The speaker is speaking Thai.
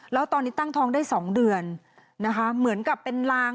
แล้วตอนนี้ตั้งท้องได้๒เดือนนะคะเหมือนกับเป็นลาง